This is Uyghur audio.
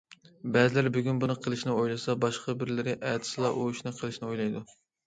بەزىلەر بۈگۈن بۇنى قىلىشنى ئويلىسا، باشقا بىرلىرى ئەتىسىلا ئۇ ئىشنى قىلىشنى ئويلايدۇ.